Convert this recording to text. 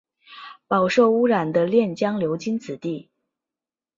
饱受污染的练江流经此地。